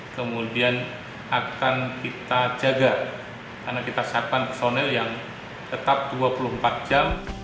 kemudian akan kita jaga karena kita siapkan personel yang tetap dua puluh empat jam